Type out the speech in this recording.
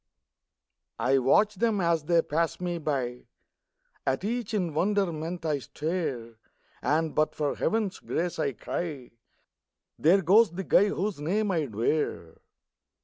I watch them as they pass me by; At each in wonderment I stare, And, "but for heaven's grace," I cry, "There goes the guy whose name I'd wear!"